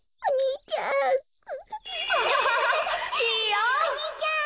お兄ちゃん。